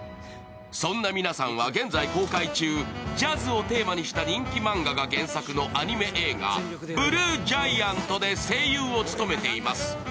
そんな皆さんは現在公開中ジャズをテーマにした人気漫画が原作のアニメ映画、「ＢＬＵＥＧＩＡＮＴ」で声優を務めています。